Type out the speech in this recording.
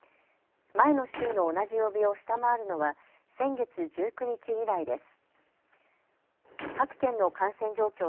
前の週の同じ曜日を下回るのは先月１９日以来です。